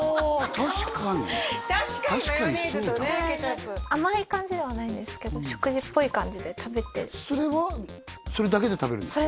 確かにそうだわ甘い感じではないんですけど食事っぽい感じで食べてそれはそれだけで食べるんですか？